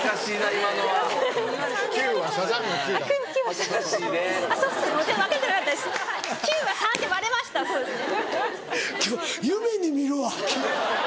今日夢に見るわ９。